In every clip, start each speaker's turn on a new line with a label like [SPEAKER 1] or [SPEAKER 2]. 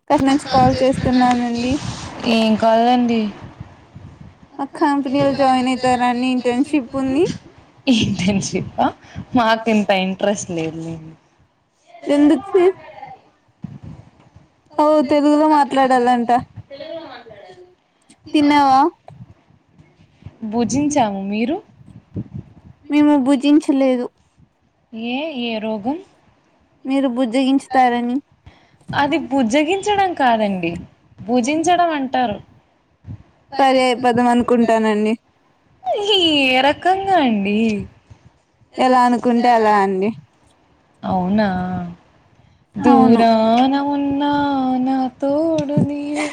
[SPEAKER 1] అక్కడ నుంచి కాల్ చేస్తున్నానండి. మా కంపెనీలో జాయిన్ అయితారని ఇంటర్న్షిప్ ఉంది
[SPEAKER 2] ఇంటర్ షిప్ప మాకు అంత ఇంట్రెస్ట్ లేదు.
[SPEAKER 1] ఎందుకు చే ఓ తెలుగులో మాట్లాడాలంట తిన్నావా
[SPEAKER 2] భుజించాము. మీరు!
[SPEAKER 1] మేము భుజించలేదు.
[SPEAKER 2] ఏ, ఏ రోగం!
[SPEAKER 1] మీరు బుజ్
[SPEAKER 2] అది బుజ్జగించడం కాదండి, భుజించడం అంటారు.
[SPEAKER 1] పర్యాయ పదం అనుకుంటానండి
[SPEAKER 2] ఏ రకంగా అండి
[SPEAKER 1] ఎలా అనుకుంటే అలా అండి
[SPEAKER 2] అవునా
[SPEAKER 1] అవును
[SPEAKER 2] దూరానా ఉన్నా నా తోడు నీవే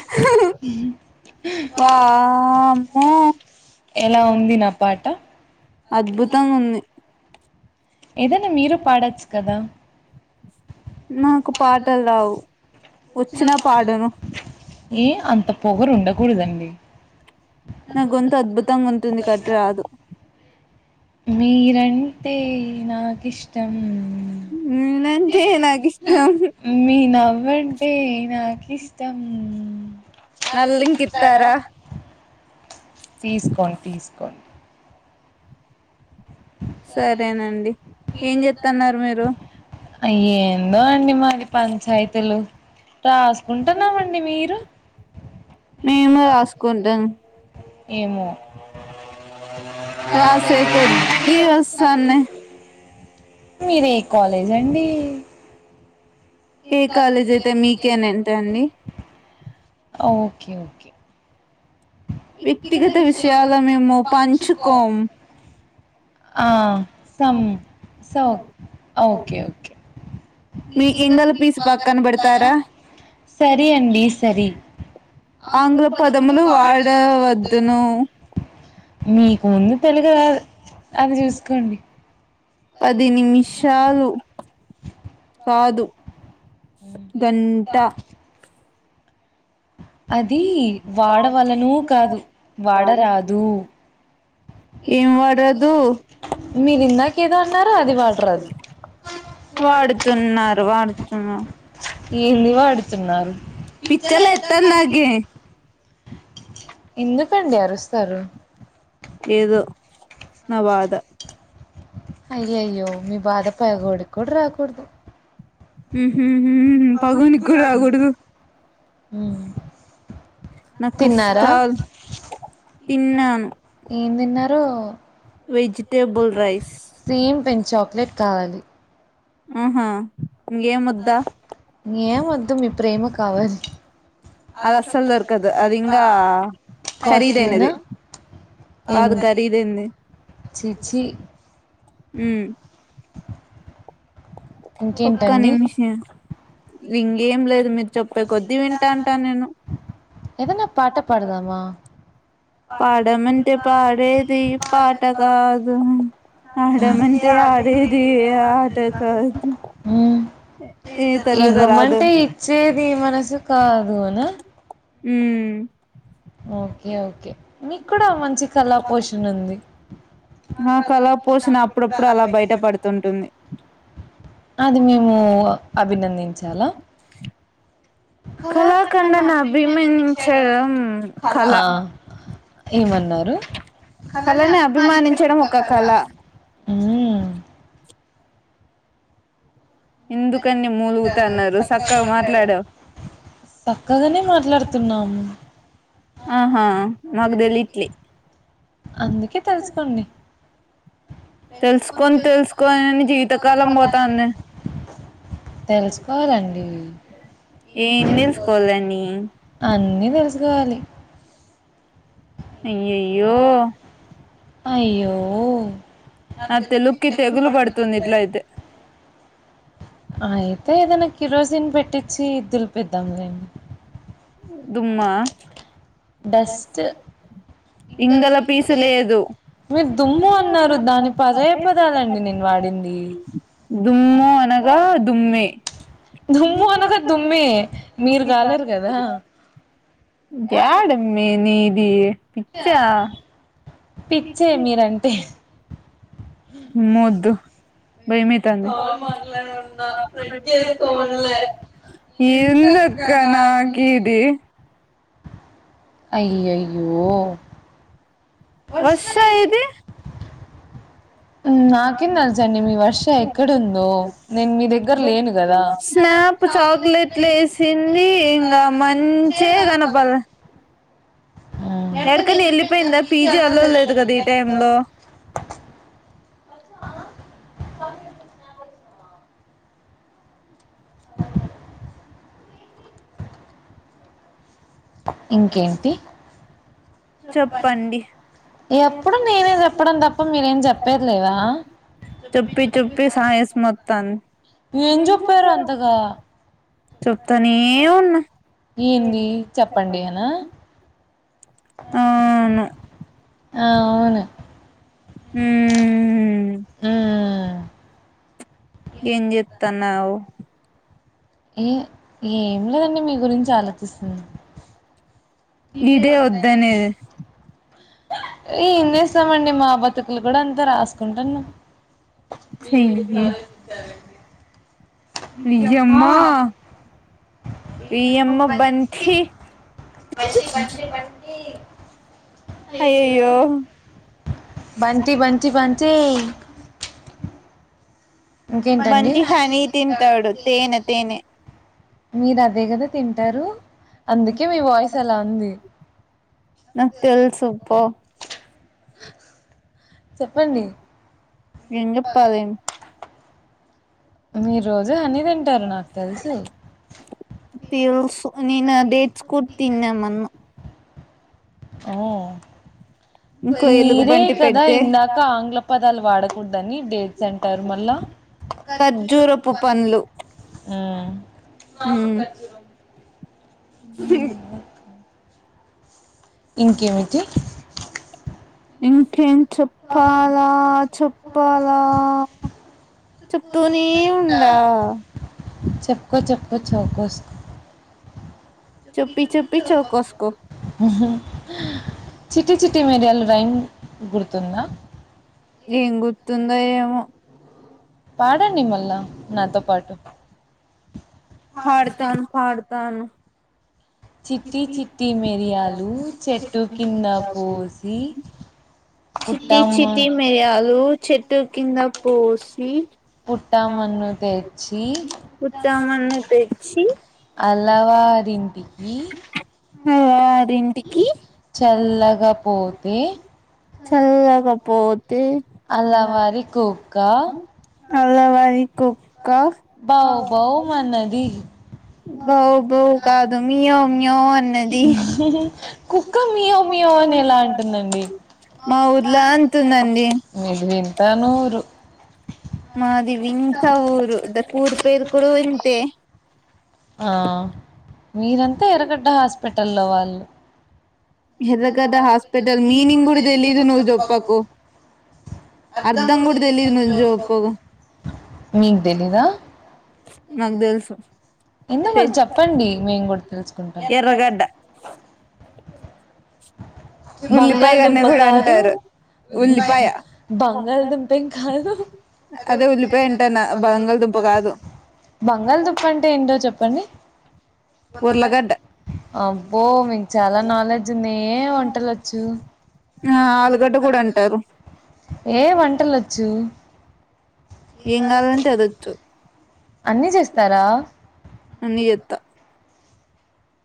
[SPEAKER 1] వామ్మో
[SPEAKER 2] ఎలా ఉంది నా పాట
[SPEAKER 1] అద్భుతంగా ఉంది.
[SPEAKER 2] ఏదైనా మీరు పాడొచ్చు కదా!
[SPEAKER 1] నాకు పాటలు రావు, వచ్చినా పాడను.
[SPEAKER 2] ఏ అంత పొగరు ఉండకూడదండి
[SPEAKER 1] నా గొంతు అద్భుతంగా ఉంటుంది కాబట్టి రాదు
[SPEAKER 2] మీరంటే నాక్ ఇష్టం
[SPEAKER 1] నేనంటే నాకు ఇష్టం
[SPEAKER 2] మీ నవ్వంటే, నాకి ఇష్టం
[SPEAKER 1] నల్లంకితార
[SPEAKER 2] తీసుకోన్ తీసుకోన్
[SPEAKER 1] సరేనండి ఏం జెత్తన్నారు మీరు
[SPEAKER 2] అయ్యే ఎందో అండి మాది పంచాయతీలు రాసుకుంటున్నామండి మీరు
[SPEAKER 1] మేము రాసుకుంటాం
[SPEAKER 2] ఏమో
[SPEAKER 1] రాసేకొద్దీ వస్తాన్నాయి
[SPEAKER 2] మీరే కాలేజ్ అండి
[SPEAKER 1] ఏ కాలేజ్ అయితే మీకేనేంటండి
[SPEAKER 2] ఓకే ఓకే
[SPEAKER 1] వ్యక్తిగత విషయాల మేము పంచుకోం
[SPEAKER 2] ఆ సం సో ఓకే ఓకే
[SPEAKER 1] మీ ఎంగల పీసి పక్కన పెడతారా
[SPEAKER 2] సరి అండి సరి
[SPEAKER 1] వాడ వద్దునూ
[SPEAKER 2] మీ ముందు తెలుగు రాదు అది జూసుకోండి
[SPEAKER 1] పది నిమిషాలు కాదు గంటా
[SPEAKER 2] అదీ వాడవలనూ కాదు వాడరాదు
[SPEAKER 1] ఏం వాడదు
[SPEAKER 2] మీరు ఇందాక ఏదో అన్నారు అది వాడరాదు
[SPEAKER 1] వాడుతున్నారు వాడు ఆ
[SPEAKER 2] ఏంది వాడుతున్నారు
[SPEAKER 1] పిచ్చలేత్తంది నాకి
[SPEAKER 2] ఎందుకండి అరుస్తారు
[SPEAKER 1] ఏదో నా బాధ
[SPEAKER 2] అయ్యయో మీ బాధ పగోడికూడ రాకుడుదు
[SPEAKER 1] హూహూహూ పగొనికూడ రాగుడదు
[SPEAKER 2] ఉ
[SPEAKER 1] న కష్టాల్ తిన్నాను
[SPEAKER 2] ఏం తిన్నారు
[SPEAKER 1] vegetable rice
[SPEAKER 2] same pen chocolate కావాలి
[SPEAKER 1] ఆహా ఇంగేం వద్ద
[SPEAKER 2] ఏం వద్దు మీ ప్రేమ కావాలి
[SPEAKER 1] అదస్సలు దొరకదు అది ఇంగా
[SPEAKER 2] కాస్ట్లీనా
[SPEAKER 1] ఖరీదైనది కాదు ఖరీదైంది.
[SPEAKER 2] చీచి
[SPEAKER 1] ఊ ఒక్క
[SPEAKER 2] ఇంకేంటండి
[SPEAKER 1] నిమిషం ఇంగేం లేదు మీర్ చెప్పే కొద్ది వింటాంటా నేను
[SPEAKER 2] ఏదన్నా పాట పాడదమా!
[SPEAKER 1] పాడమంటే పాడేది పాట కాదు. ఆడమంటే ఆడేది ఆట కాదు. ఈ తర్వాత రాదు
[SPEAKER 2] ఇవ్వమ్మంటే ఇచ్చే మనసు కాదు అనా
[SPEAKER 1] ఉ
[SPEAKER 2] ఓకే ఓకే మీకు కూడా మంచి కళా పోషణ ఉంది క
[SPEAKER 1] నాకు అలా
[SPEAKER 2] పోషణ
[SPEAKER 1] పోసిన
[SPEAKER 2] అప్పుప్పుడు
[SPEAKER 1] అప్పుడప్పుడు
[SPEAKER 2] అలా
[SPEAKER 1] బయట
[SPEAKER 2] బయప
[SPEAKER 1] పడుతుంటుంది
[SPEAKER 2] అది మేము అభినందించాలా
[SPEAKER 1] కళాఖండన్ని అభిమానించడం కళ
[SPEAKER 2] ఆ! ఏమన్నారు
[SPEAKER 1] కళని అభిమానించడం ఒక కళ
[SPEAKER 2] హ్మ్.
[SPEAKER 1] ఎందుకన్ని మూలుగుతన్నారు సక్కగా మాట్లాడవ్
[SPEAKER 2] సక్కగానే మాట్లాడుతున్నాము.
[SPEAKER 1] ఆహా మాకు దేలిట్లే
[SPEAKER 2] అందుకే తెలుసుకోండి.
[SPEAKER 1] తెలుసుకొని తెలుసుకోని ని జీవితకాలం పోతంది.
[SPEAKER 2] తెలుసుకోవాలండి.
[SPEAKER 1] ఏం తెలుసుకోవాలని
[SPEAKER 2] అన్నీ తెలుసుకోవాలి.
[SPEAKER 1] అయ్యయ్యో
[SPEAKER 2] అయ్యో
[SPEAKER 1] నా తెలుగుకి తెగులు పడుతుంది ఇట్ల అయితే
[SPEAKER 2] అయితే ఏదైనా కిరోసిన్ పెట్టించి దులిపిద్దాంలేండి.
[SPEAKER 1] దుమ్మా
[SPEAKER 2] బెస్ట్
[SPEAKER 1] ఇంగల పీసు లేదు
[SPEAKER 2] మీరు దుమ్ము అన్నారు. దాని పదే పి పదాలండి నేను వాడింది.
[SPEAKER 1] దుమ్ము అనగా దుమ్మే
[SPEAKER 2] దుమ్ము అనగా దుమ్మే మీరు కాలేరు గాదా
[SPEAKER 1] ఇంక్యడామ్మి నీ ఏ పిచ్చా
[SPEAKER 2] పిచ్చే మీరంటే [inaudible]
[SPEAKER 1] బయమైతంది. ఎందక్క నాకు ఇది
[SPEAKER 2] అయ్యయ్యో
[SPEAKER 1] వర్ష ఇది
[SPEAKER 2] నాకేం తెలుసండి. మీ వర్ష ఎక్కడుందో నేను మీ దగ్గర లేను గదా
[SPEAKER 1] స్నాప్ చాక్లెట్లు వేసింది ఇంగా మంచే నడకని వెళ్ళిపోయిందా పీజీ అలో లేదు గాదా ఈ టైం లో
[SPEAKER 2] [inaudible] ఇంకేంటి
[SPEAKER 1] చెప్పండి
[SPEAKER 2] ఎప్పుడు నేనే చెప్పడం తప్ప మీరేం చెప్పెదిలేదా
[SPEAKER 1] చెప్పి చెప్పి సాయసం వత్తాంది
[SPEAKER 2] ఎం చెప్పారు అంతగా
[SPEAKER 1] చేప్తనే ఉన్న
[SPEAKER 2] ఏంది చెప్పండి అనా
[SPEAKER 1] అవును
[SPEAKER 2] ఆ అవును
[SPEAKER 1] హ్
[SPEAKER 2] మ్మ్
[SPEAKER 1] ఏం జే త్తన్నవ్
[SPEAKER 2] ఈ ఏం లేదండి మీ గురించే ఆలోచిస్తన్నా
[SPEAKER 1] ఇదే ఒద్దనేది
[SPEAKER 2] ఏం చేస్తామండి మా బతుకులు కూడా అంతే రాస్తా కుంటన్నం మీ ఇంగ్లీ
[SPEAKER 1] చెయ్యి
[SPEAKER 2] చాలేచ్చారంండి
[SPEAKER 1] ఈయమ్మా ఈయమ్మ బంటీ
[SPEAKER 2] బంటీ బంటీ బన్ తేంక్
[SPEAKER 1] బంటీ హనీ తింటాడు తేనె తేనె
[SPEAKER 2] మీరు అదే కదా తింటారు అందుకే మీ వాయిస్ అలా ఉంది
[SPEAKER 1] నాకు తెలుసు పో
[SPEAKER 2] చెప్పండి
[SPEAKER 1] ఎం చెప్పాలేం
[SPEAKER 2] మీరు రోజు హనీ తింటారు నాకు తెలుసు
[SPEAKER 1] ప్యూసు నేన్ ఆ డేట్స్ కూడా తిన్నా మోన్న
[SPEAKER 2] ఆ
[SPEAKER 1] ఇంకో
[SPEAKER 2] మీరే
[SPEAKER 1] ఎలుగుబంటి
[SPEAKER 2] కదా
[SPEAKER 1] పెడితే
[SPEAKER 2] ఇందాక ఆంగ్ల పదాలు వాడకూడదని డేట్స్ అంటర్ మళ్ళ
[SPEAKER 1] ఖర్జూరపు పండ్లు
[SPEAKER 2] మ్ మాకు ఖర్జూరం
[SPEAKER 1] సె
[SPEAKER 2] ఇంకేమిటి
[SPEAKER 1] ఇంకేం చెప్పాలా చెప్పాలా చెప్తూనే ఉండాలా
[SPEAKER 2] చెప్పుకో చెప్పుకో చెవుకోసుకో
[SPEAKER 1] చుప్పి చుప్పి చెవుకోస్కో
[SPEAKER 2] ఆ చిట్టి చిట్టి మిరియాలు రైం గుర్తు తుందా
[SPEAKER 1] ఏం గుర్తుందో ఏమో
[SPEAKER 2] పాడండి మళ్ళా నాతో పాటు
[SPEAKER 1] పాడుతాను, పాడుతాను.
[SPEAKER 2] చిట్టి చిట్టి మిరియాలు, చెట్టు కింద పోసి.
[SPEAKER 1] చిట్టి
[SPEAKER 2] పుట్టమ్మ
[SPEAKER 1] చిట్టి మిరియాలు. చెట్టు కింద పోస్.
[SPEAKER 2] పుట్టమ్మను తెచ్చి
[SPEAKER 1] పుట్ట మన్ను తే. క్షి.
[SPEAKER 2] అలవారింటికి,
[SPEAKER 1] అల్లారింటికి
[SPEAKER 2] చల్లగపోతే.
[SPEAKER 1] పోకపోత్.
[SPEAKER 2] కుక్క
[SPEAKER 1] [unintelligible] కు.
[SPEAKER 2] బౌ బౌ మన్నది.
[SPEAKER 1] బౌ బౌ కాదు, మియావ్, మియావ్, అన్నది.
[SPEAKER 2] కు. కుక్క మియావ్ మియావ్ ఎలా అంటుండండి.
[SPEAKER 1] మా ఊర్లో అంటుందండి
[SPEAKER 2] తనూరు.
[SPEAKER 1] మాదివింత ఊరు. ద కూరు పేరు కూడా ఇంతే.
[SPEAKER 2] అ మీరంతా ఎరగడ్డ హాస్పిటల్లో వాళ్ళు.
[SPEAKER 1] ఎర్రగడ్డ హాస్పిటల్ మీనింగ్ కూడా తెలిదు ను జొప్పకు, అర్ధం కూడా తెలిదు ను జోప్పకు.
[SPEAKER 2] మీకు తెలీదా
[SPEAKER 1] నాకు దేలసు.
[SPEAKER 2] ముందు మాకు చెప్పండి, మేము కూడా తెలుసుకుంటాం.
[SPEAKER 1] ఎర్రగడ్డ ఉల్లిపాయ అన్న
[SPEAKER 2] బంగాళదుంప
[SPEAKER 1] కూడా
[SPEAKER 2] కాదు,
[SPEAKER 1] అంటారు ఉల్లిపాయ
[SPEAKER 2] బంగాళదుంపేం కాదు,
[SPEAKER 1] అదే ఉల్లిపాయ అంటానా బంగాళదుంప కాదు
[SPEAKER 2] బంగాళదుప్ప అంటే ఏంటో చెప్పండి.
[SPEAKER 1] ఉర్లగడ్డ
[SPEAKER 2] అబ్బో మీకు చాలా నాలెడ్జ్ ఉన్నాయె మ.
[SPEAKER 1] ఆ ఆలుగడ్డ కూడా అంటారు.
[SPEAKER 2] ఏ వంటలోచ్చు.
[SPEAKER 1] ఏం కావాలంటే అదోచ్చు.
[SPEAKER 2] అన్నీ చేస్తారా.
[SPEAKER 1] అన్ని ఏత్త.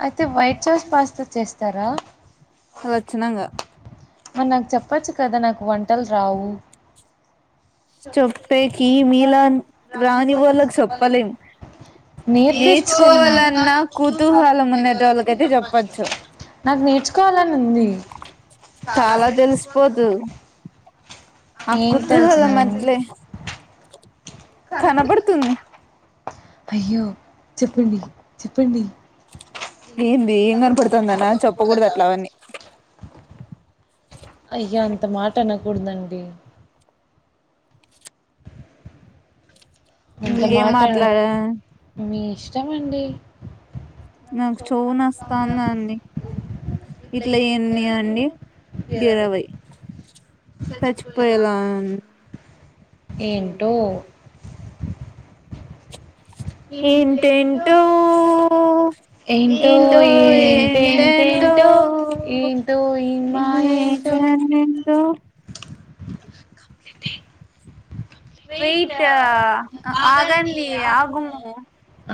[SPEAKER 2] అయితే వైట్ చాస్ పాస్తా చేస్తారా.
[SPEAKER 1] వొచ్చినాంగా.
[SPEAKER 2] నాకు చెప్పచ్చు కదా, నాకు వంటలు రావు.
[SPEAKER 1] చొప్పేకి ఇ మీలాన్ రాని వాళ్ళకి చెప్పలేం
[SPEAKER 2] నేర్పించింది
[SPEAKER 1] నేర్చుకోవాలన్నా కుతూహలం ఉన్నేటోళ్ళకైతే చెప్పచ్చు
[SPEAKER 2] నాకు నేర్చుకోవాలని ఉంది
[SPEAKER 1] చాలా తెలిసిపోదు ఆ
[SPEAKER 2] ఏం
[SPEAKER 1] కుతూహలం
[SPEAKER 2] తెలిసిందండి
[SPEAKER 1] మద్లే కనబడుతుంది
[SPEAKER 2] అయ్యో చెప్పండి చెప్పండి
[SPEAKER 1] ఏంది ఏం కనపడుతుందన చెప్పకూడదు అట్లా అవన్నీ
[SPEAKER 2] అయ్యా అంత మాట అనకూడదండి అంత
[SPEAKER 1] ఇంగేం మాట్లాడ
[SPEAKER 2] వచ్చమండి
[SPEAKER 1] నాకు చొవు నొస్తాందండి ఇట్ల ఏన్ని అండి ఇరవై చచ్చిపోయేలా ఏంటో ఏంటెంటో ఏంటో ఏంటెంటో ఏంటో
[SPEAKER 2] ఈ మా
[SPEAKER 1] ఇంగ
[SPEAKER 2] ఏంటో
[SPEAKER 1] ఏంటండి ఏంటో
[SPEAKER 2] లిటి
[SPEAKER 1] వెయిట్ ఆగండి ఆగుము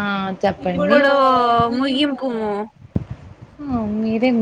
[SPEAKER 2] ఆ, చెప్పండి
[SPEAKER 1] ఇప్పుడు ముగింపుము
[SPEAKER 2] ఆ మీరెనా